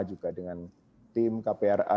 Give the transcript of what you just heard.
juga dengan tim kpra